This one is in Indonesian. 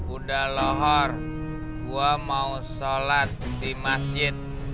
udah loh gue mau sholat di masjid